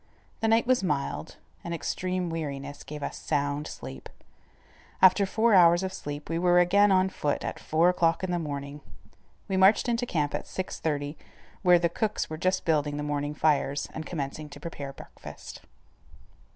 The night was mild, and extreme weariness gave us sound sleep. After four hours of sleep, we were again on foot at four o'clock in the morning. We marched into camp at 6:30, where the cooks were just building the morning fires, and commencing to prepare breakfast.